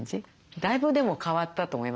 だいぶでも変わったと思います。